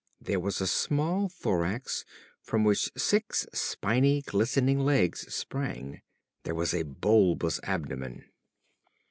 There was a small thorax, from which six spiny, glistening legs sprang. There was a bulbous abdomen.